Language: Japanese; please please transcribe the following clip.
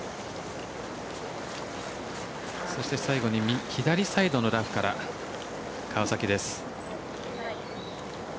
そして最後に左サイドのラフから川崎です。